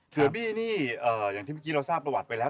เสือบี้นี่อย่างที่เมื่อกี้เราทราบประวัติไปแล้ว